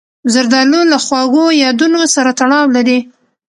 زردالو له خواږو یادونو سره تړاو لري.